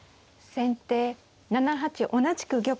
先手７八同じく玉。